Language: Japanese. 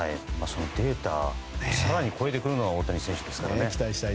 データを更に超えるのが大谷選手ですからね。